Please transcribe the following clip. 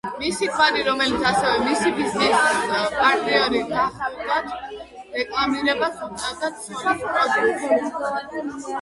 მისი ქმარი, რომელიც ასევე მისი ბიზნეს პარტნიორი გახლდათ, რეკლამირებას უწევდა ცოლის პროდუქტს.